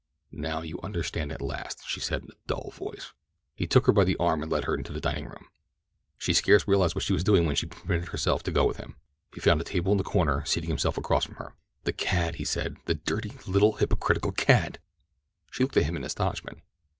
"Now you understand at last," she said in a dull voice. He took her by the arm and led her into the dining room. She scarce realized what she was doing when she permitted herself to go with him. He found a table in a corner, seating himself across from her. "The cad," he said—"the dirty, little, hypocritical cad!" She looked at him in astonishment.